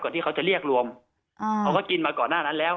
ก่อนที่เขาจะเรียกรวมเขาก็กินมาก่อนหน้านั้นแล้ว